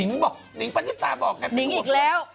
นิ้งปัจจิตาบอกนิ้งอีกแล้ว